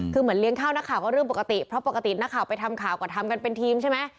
คือเหมือนเลี้ยงข้าวนักข่าวก็เรื่องปกติเพราะปกตินักข่าวไปทำข่าวก็ทำกันเป็นทีมใช่ไหม